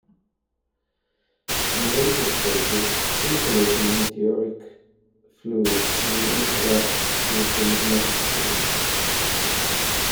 In later stages, circulating meteoric fluids may interact with the magmatic fluids.